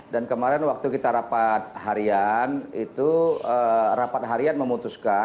dan kemarin waktu kita rapat harian itu rapat harian memutuskan